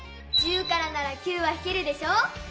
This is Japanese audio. １０からなら９はひけるでしょ？